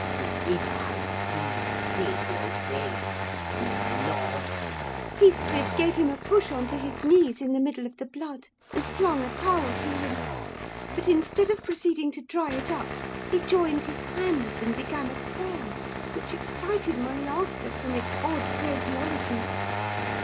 'If iver I seed a seeght loike this! May the Lord—' "Heathcliff gave him a push on to his knees in the middle of the blood, and flung a towel to him; but instead of proceeding to dry it up, he joined his hands and began a prayer, which excited my laughter from its odd phraseology.